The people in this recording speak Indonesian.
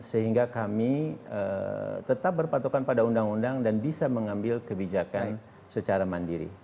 sehingga kami tetap berpatokan pada undang undang dan bisa mengambil kebijakan secara mandiri